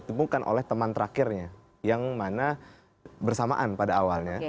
ditemukan oleh teman terakhirnya yang mana bersamaan pada awalnya